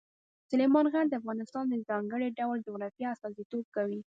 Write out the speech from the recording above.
سلیمان غر د افغانستان د ځانګړي ډول جغرافیه استازیتوب کوي.